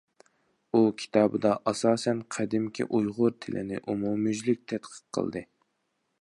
ئۇ كىتابىدا ئاساسەن قەدىمكى ئۇيغۇر تىلىنى ئومۇميۈزلۈك تەتقىق قىلدى.